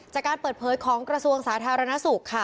จากการเปิดเผยของกระทรวงสาธารณสุขค่ะ